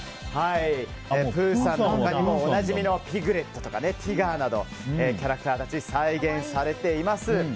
ぷーさんの他にもおなじみのピグレットやティガーなど、キャラクターたち再現されています。